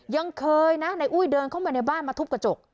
ยังเคยนะในอุ้ยเดินเข้ามาในบ้านมาทุบกระจก